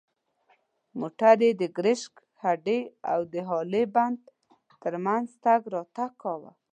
موټر یې د کرشک هډې او د هالې بند تر منځ تګ راتګ کاوه.